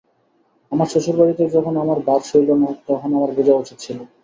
আমার শ্বশুরবাড়িতেও যখন আমার ভার সইল না তখনই আমার বোঝা উচিত ছিল।